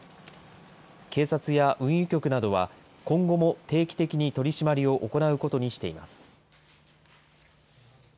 警察や運輸局などは、今後も定期的に取締りを行うことにしています。